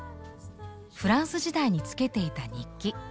フランス時代につけていた日記。